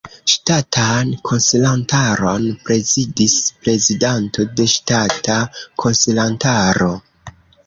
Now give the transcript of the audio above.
Ŝtatan Konsilantaron prezidis Prezidanto de Ŝtata Konsilantaro.